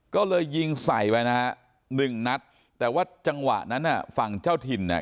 ก็เลยยิงใส่ไปนะฮะหนึ่งนัดแต่ว่าจังหวะนั้นอ่ะฝั่งเจ้าถิ่นเนี่ย